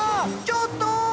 ちょっと！